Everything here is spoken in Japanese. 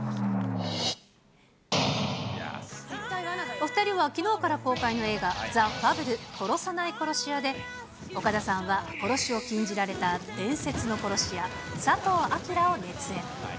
お２人はきのうから公開の映画、ザ・ファブル殺さない殺し屋で、岡田さんは殺しを禁じられた伝説の殺し屋、佐藤アキラを熱演。